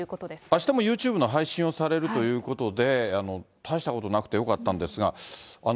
あしたもユーチューブの配信をされるということで、大したことなくてよかったんですが。